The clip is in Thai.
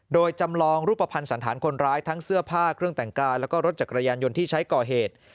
โดยจำลองรูปภัณฑ์สันธารคนร้ายทั้งเสื้อผ้าเครื่องแต่งกายแล้วก็รถจักรยานยนต์ที่ใช้ก่อเหตุ